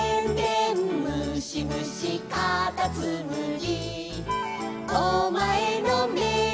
「でんでんむしむしかたつむり」